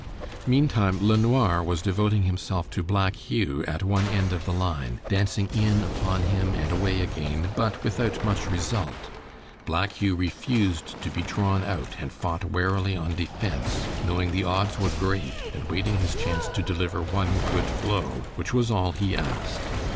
Meantime LeNoir was devoting himself to Black Hugh at one end of the line, dancing in upon him and away again, but without much result. Black Hugh refused to be drawn out, and fought warily on defense, knowing the odds were great and waiting his chance to deliver one good blow, which was all he asked.